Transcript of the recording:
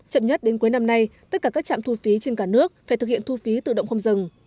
chậm nhất đến cuối năm nay tất cả các trạm thu phí trên cả nước phải thực hiện thu phí tự động không dừng